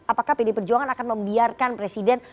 apakah pd perjuangan akan membiarkan presiden